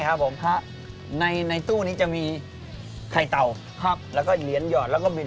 ครับผมครับในตู้นี้จะมีไข่เต่าฮักแล้วก็เหรียญหยอดแล้วก็บิน